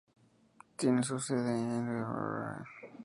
Tiene su sede en Jindřichův Hradec.